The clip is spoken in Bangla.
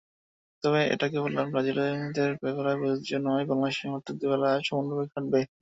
তবে এটা কেবল ব্রাজিলীয়দের বেলায় প্রযোজ্য নয়, বাংলাদেশের সমর্থকদের বেলায়ও সমানভাবে খাটবে।